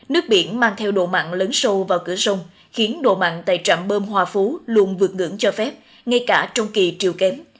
nước biển mang theo độ mặn lớn sâu vào cửa sông khiến độ mặn tại trạm bơm hòa phú luôn vượt ngưỡng cho phép ngay cả trong kỳ triều kém